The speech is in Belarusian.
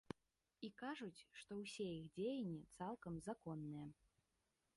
І кажуць, што ўсе іх дзеянні цалкам законныя.